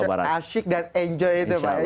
asyik dan enjoy itu pak